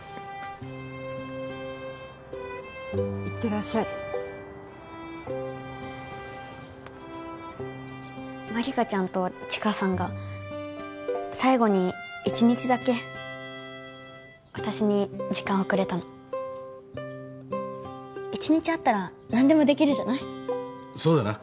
いってらっしゃい万理華ちゃんと千嘉さんが最後に一日だけ私に時間をくれたの一日あったら何でもできるじゃない？